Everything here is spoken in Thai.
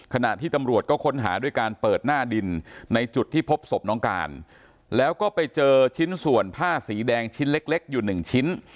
ขณะที่ตำรวจก็ค้นหาด้วยการเปิดหน้าดินในจุดที่พบศพน้องการแล้วก็ไปเจอชิ้นส่วนผ้าสีแดงชิ้นเล็กเล็กอยู่หนึ่งชิ้น